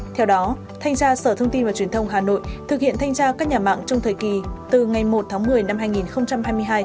theo đó thanh tra sở thông tin và truyền thông hà nội thực hiện thanh tra các nhà mạng trong thời kỳ từ ngày một tháng một mươi năm hai nghìn hai mươi hai